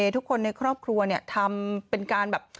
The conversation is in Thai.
ทุกคนในครอบครัวทำเป็นการแบบ